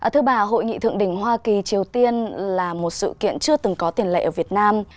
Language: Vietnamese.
thứ bà hội nghị thượng đỉnh hoa kỳ triều tiên là một sự kiện chưa từng có tiền lệ ở việt nam